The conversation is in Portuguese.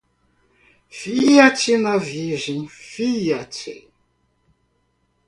Fia-te na Virgem, fia-te.